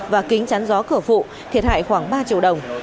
và kính chắn gió cửa phụ thiệt hại khoảng ba triệu đồng